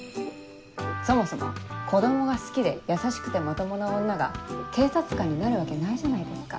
そもそも子供が好きで優しくてまともな女が警察官になるわけないじゃないですか。